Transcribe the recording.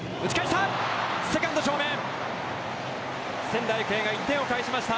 仙台育英、１点返しました。